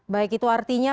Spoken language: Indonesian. baik itu artinya